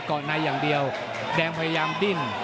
อดในอย่างเดียวแดงพยายามดิ้น